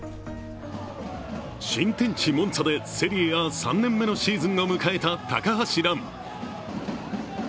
新天地モンツァで、セリエＡ３年目のシーズンを迎えた高橋藍。